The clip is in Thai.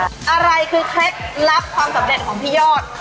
อะไรคือเคล็ดลับความสำเร็จของพี่ยอด